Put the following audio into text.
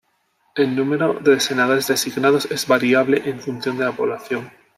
El número de senadores designados es variable en función de la población.